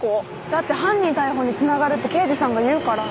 だって犯人逮捕につながるって刑事さんが言うから。